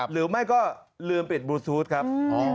หรือไม่ก็ลืมปิดบลูซูธครับ